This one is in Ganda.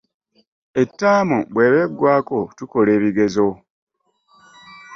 Ettaamu bweba egwaako tukola ebigezo.